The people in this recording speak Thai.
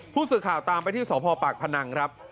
ผู้สื่อข่าวตามไปที่สพปากพนังครับ